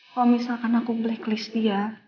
kalau misalkan aku blacklist dia